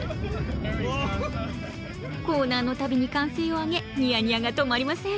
コーナーの度に歓声を上げニヤニヤが止まりません。